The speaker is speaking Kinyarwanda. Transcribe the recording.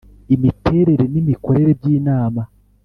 imiterere n imikorere by inama